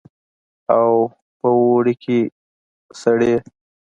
او په اوړي کښې سړې.